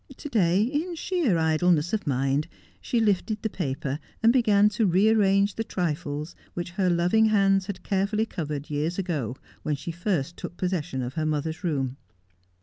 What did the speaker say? To day, in sheer idleness of mind, she lifted the paper, and began to rearrange the trifles which her loving hands had carefully covered years ago, when first she took possession of her mother's room.